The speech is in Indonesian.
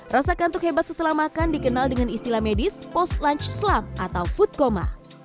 rasa kantuk hebat setelah makan dikenal dengan istilah medis post lunch slam atau food coma